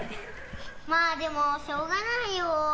まあ、でもしょうがないよ。